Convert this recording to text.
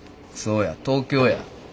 そうや東京や。